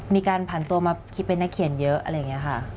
มีการผ่านตัวมาคิดเป็นนักเขียนเยอะอะไรอย่างนี้ค่ะ